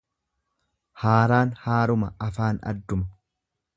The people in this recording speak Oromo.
Haaraan haaruma afaan adduma.